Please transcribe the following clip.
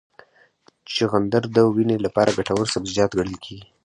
چغندر د وینې لپاره ګټور سبزیجات ګڼل کېږي.